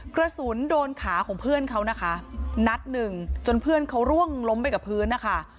กระสุนโดนขาของเพื่อนเขานะคะนัดหนึ่งจนเพื่อนเขาร่วงล้มไปกับพื้นนะคะ